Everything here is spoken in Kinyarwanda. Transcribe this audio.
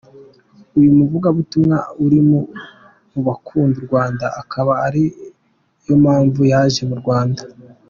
Uyu muvugabutumwa ari mu bakunda u Rwanda, akaba ari yo mpamvu yaje mu Rwanda.